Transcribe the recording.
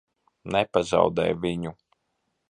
Nepazaudē viņu!